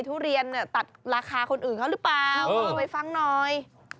ทุเรียนเนี่ยตัดราคาคนอื่นเขาหรือเปล่าเอาไปฟังหน่อย